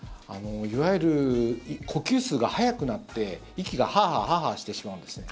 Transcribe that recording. いわゆる呼吸数が速くなって息がハアハア、ハアハアしてしまうんですね。